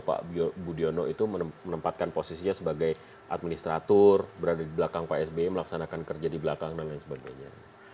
pak budiono itu menempatkan posisinya sebagai administrator berada di belakang pak sby melaksanakan kerja di belakang dan lain sebagainya